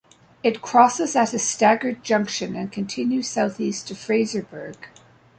It crosses at a staggered junction, and continues south-east to Fraserburg.